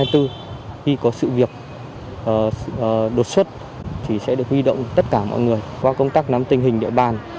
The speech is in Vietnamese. khi có sự việc đột xuất sẽ được huy động tất cả mọi người qua công tác nắm tình hình địa bàn